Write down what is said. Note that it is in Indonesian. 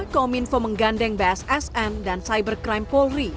kominfo menggandeng bssn dan cybercrime polri